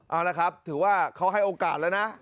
เอาละครับถือว่าเขาให้โอกาสแล้วนะ